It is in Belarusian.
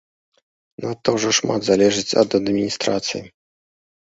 Надта ўжо шмат залежыць ад адміністрацыі.